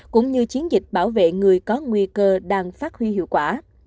cũng như chiến dịch bảo vệ người có nguy cơ đang phát huy hiệu quả